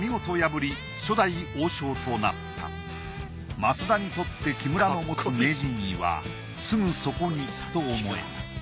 升田が升田にとって木村の持つ名人位はすぐそこにと思えた。